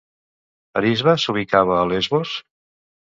Arisba s'ubicava a Lesbos?